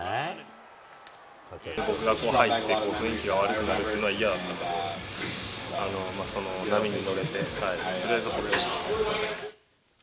僕が入って雰囲気が悪くなるのは嫌だったので、その波に乗れてとりあえずほっとしてます。